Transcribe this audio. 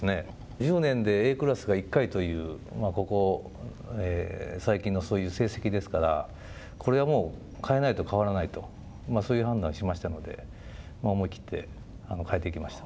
１０年でＡクラスが１回という、ここ最近のそういう成績ですからこれはもう変えないと変わらないと、そういう判断をしましたので思い切って、変えていきました。